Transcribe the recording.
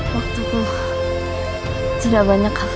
waktuku tidak banyak khawatir